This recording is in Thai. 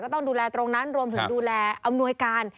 ต้องดูแลตรงนั้นรวมถึงดูแลอำนวยการ